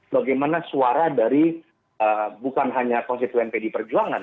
bagaimana suara dari bukan hanya konstituen pdi perjuangan